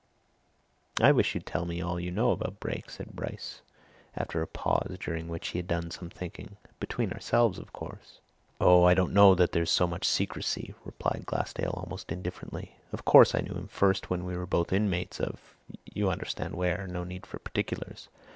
"I wish you'd tell me all you know about Brake," said Bryce after a pause during which he had done some thinking. "Between ourselves, of course." "Oh I don't know that there's so much secrecy!" replied Glassdale almost indifferently. "Of course, I knew him first when we were both inmates of you understand where; no need for particulars.